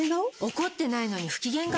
怒ってないのに不機嫌顔？